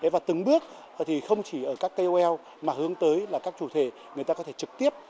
và từng bước thì không chỉ ở các kol mà hướng tới là các chủ thể người ta có thể trực tiếp